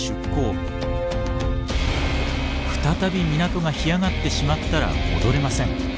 再び港が干上がってしまったら戻れません。